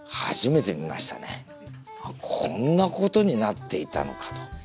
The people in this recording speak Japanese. あっこんなことになっていたのかと。